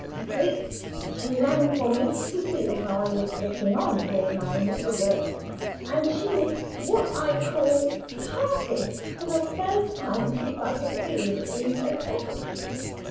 "That's it! She rang for me, to see how I was getting on with my needlework and she was what I call hearty, for the first time since I have been in her service.